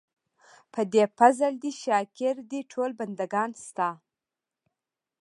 په دې فضل دې شاګر دي ټول بندګان ستا.